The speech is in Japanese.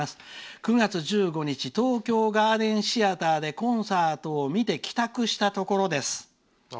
９月１５日東京ガーデンシアターでコンサートを見て帰宅したところです」。